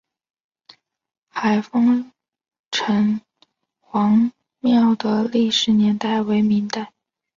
海丰城隍庙的历史年代为明代。